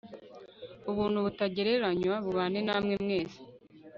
ubuntu butagereranywa bubane namwe mwese f